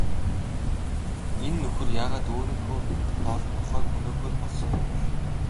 Энэ нөхөр яагаад өөрийнхөө нохойг хөнөөхөөр болсон юм бол?